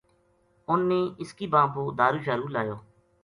اُنھ نے اس کی بانہہ پو دورو شارو لایو